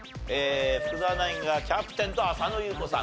福澤ナインがキャプテンと浅野ゆう子さん。